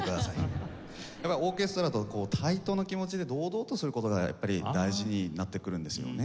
やっぱりオーケストラと対等な気持ちで堂々とする事がやっぱり大事になってくるんですよね。